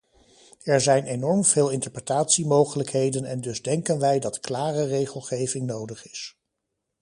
Er zijn enorm veel interpretatiemoeilijkheden en dus denken wij dat klare regelgeving nodig is.